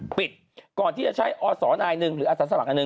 ปิดก่อนที่จะใช้อศ